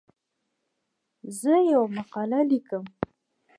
زه یوه مقاله لیکم.